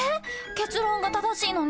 結論が正しいのに？